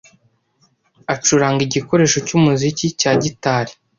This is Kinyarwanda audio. acuranga igikoresho cyumuziki cya gitari